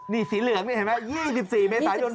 นี่สีเหลืองนี่เห็นไหม๒๔เมตรแต่มันใบปลอ